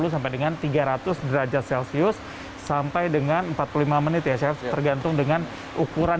dua ratus lima puluh sampai dengan tiga ratus derajat celcius sampai dengan empat puluh lima menit ya saya tergantung dengan ukuran